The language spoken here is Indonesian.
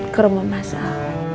ke rumah masak